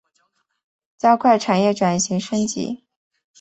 加快产业转型升级